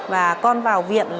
và con vào viện